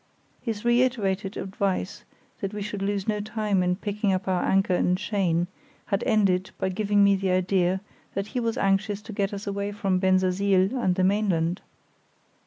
His reiterated advice that we should lose no time in picking up our anchor and chain had ended by giving me the idea that he was anxious to get us away from Bensersiel and the mainland.